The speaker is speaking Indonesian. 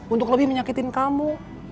untuk lebih menyakitin kamu